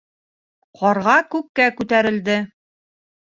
Ҡарға күккә күтәрелде.